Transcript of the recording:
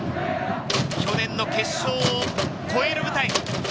去年の決勝を超える舞台。